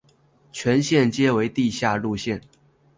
全线皆为地下路线。